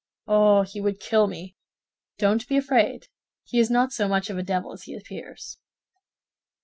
"Oh, he would kill me!" "Don't be afraid; he is not so much of a devil as he appears."